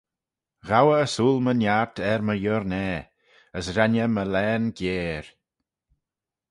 Ghow eh ersooyl my niart er my yurnah: as ren eh my laghyn giare.